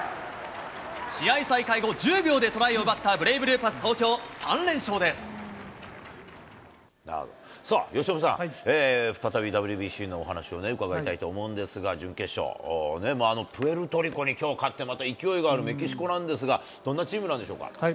試合再開後１０秒でトライを奪ったブレイブルーパス東京、由伸さん、再びＷＢＣのお話をね、伺いたいと思うんですが、準決勝ね、あのプエルトリコにきょう勝って、また勢いがあるメキシコなんですが、どんなチームなんでしょうか。